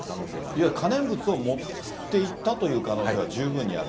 いわゆる可燃物を持っていったという可能性は十分にある。